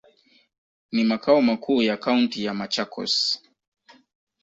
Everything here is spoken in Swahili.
Ni makao makuu ya kaunti ya Machakos.